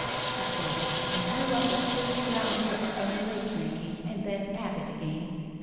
she said, and threw up a swift brown look from the lace making and then at it again.